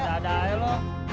dadah ya lu